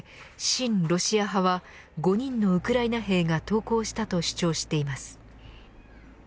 親ロシア派は５人のウクライナ兵が投降したと主張しています。